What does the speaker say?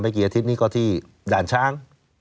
กี่อาทิตย์นี้ก็ที่ด่านช้าง